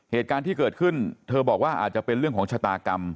เหตุการณ์ที่เกิดขึ้นเธอบอกว่าอาจจะเป็นเรื่องของชะตากรรม